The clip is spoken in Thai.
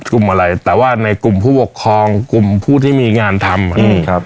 กลุ่มอะไรแต่ว่าในกลุ่มผู้ปกครองกลุ่มผู้ที่มีงานทำ